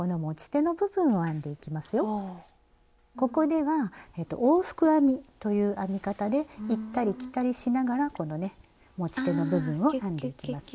ここでは往復編みという編み方で行ったり来たりしながらこのね持ち手の部分を編んでいきます。